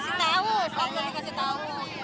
selalu dikasih tau